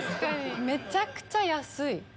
めちゃくちゃ安い？